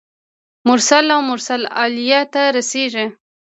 مرسل او مرسل الیه ته رسیږي.